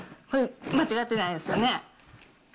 これ、間違ってないですよね？